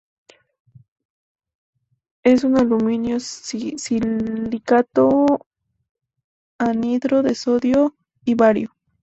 Es un aluminio-silicato anhidro de sodio y bario.